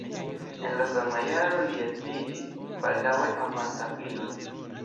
En la sama jaro li edziĝis, baldaŭe havanta filon.